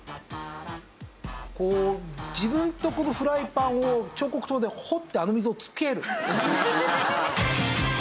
こう自分のとこのフライパンを彫刻刀で彫ってあの溝をつける。